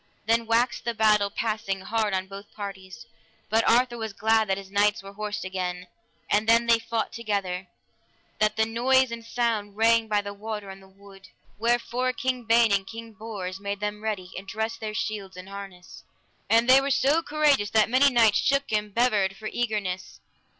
Then waxed the battle passing hard on both parties, but Arthur was glad that his knights were horsed again, and then they fought together, that the noise and sound rang by the water and the wood. Wherefore King Ban and King Bors made them ready, and dressed their shields and harness, and they were so courageous that many knights shook and bevered for eagerness.